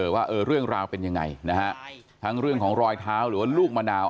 ว่าเรื่องราวเป็นยังไงนะฮะทั้งเรื่องของรอยเท้าหรือว่าลูกมะนาว